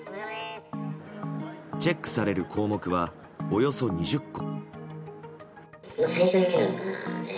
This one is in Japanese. チェックされる項目はおよそ２０個。